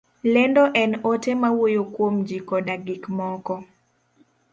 lendo en ote mawuoyo kuom ji koda gik moko.